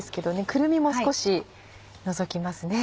くるみも少しのぞきますね。